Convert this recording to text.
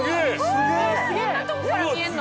こんなとこから見えるの？